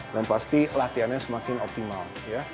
dan pasti latihannya semakin optimal ya